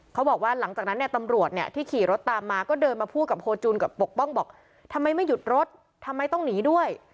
เขาบอกว่าหลังจากนั้นเนี่ยตำรวจเนี่ยที่ขี่รถตามมาก็เดินมาพูดกับโฮจูนกับปกป้องบอกทำไมไม่หยุดรถทำไมต้องหนีด้วย